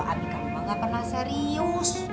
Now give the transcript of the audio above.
kalau abi kamu gak pernah serius